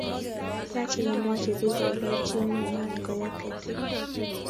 Yache komwachi pikkelejin mat koyeb ketik